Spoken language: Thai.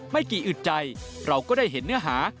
ไม่กี่อึดใจเราก็ได้เห็นเนื้อหา